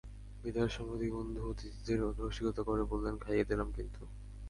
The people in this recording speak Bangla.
বিদায়ের সময় দুই বন্ধু অতিথিদের রসিকতা করে বললেন, খাইয়ে দিলাম কিন্তু।